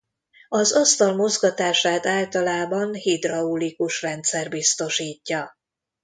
Az asztal mozgatását általában hidraulikus rendszer biztosítja.